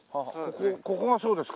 ここがそうですか？